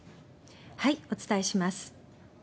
お伝えします。